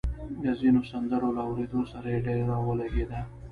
د ځينو سندرو له اورېدو سره يې ډېره ولګېده